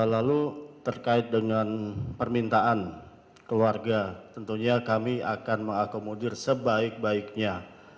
lalu terkait dengan permintaan keluarga tentunya kami akan mengakomodir sebaik baiknya